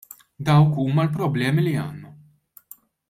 Dawk huma l-problemi li għandna.